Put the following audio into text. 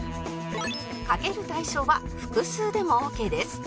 賭ける対象は複数でもオーケーです